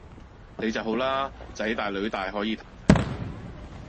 你就好啦！囝大囡大可以嘆世界